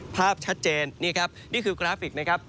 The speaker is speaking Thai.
ภาพชัดเจนนี่ครับนี่คือกราฟิกนะครับ